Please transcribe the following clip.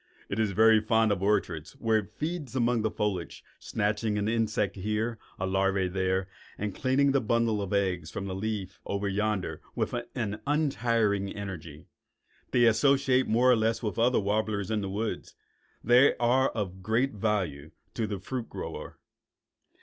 It is very fond of orchards where it feeds among the foliage, snatching an insect here, a larva there, and cleaning the bundle of eggs from the leaf over yonder with an untiring energy. They also associate more or less with the other warblers in the woods. They are of great value to the fruit grower.